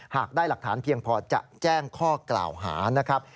หากได้หลักฐานเพียงพอจะแจ้งข้อกล่าวหานะครับ